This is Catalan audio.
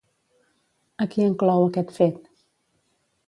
A qui enclou aquest fet?